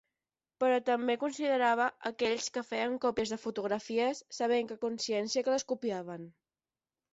Però també considerava aquells que feien còpies de fotografies sabent a consciència que les copiaven.